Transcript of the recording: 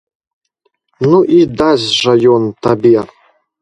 Ну і дасць жа ён табе!